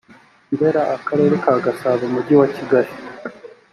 ndera akarere ka gasabo umujyi wa kigali